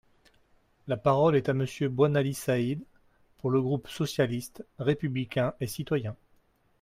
La parole est à Monsieur Boinali Said, pour le groupe socialiste, républicain et citoyen.